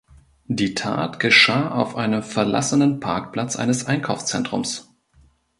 Die Tat geschah auf einem verlassenen Parkplatz eines Einkaufszentrums.